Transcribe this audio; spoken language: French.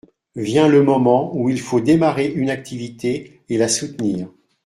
Vient le moment où il faut démarrer une activité et la soutenir.